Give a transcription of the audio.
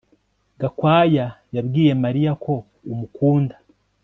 Gakwaya yabwiye Mariya ko umukunda